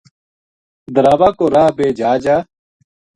دراوا کو راہ بے جا جا